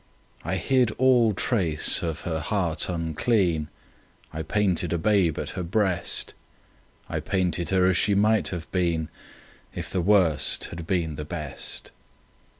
I hid all trace of her heart unclean; I painted a babe at her breast; I painted her as she might have been If the Worst had been the Best.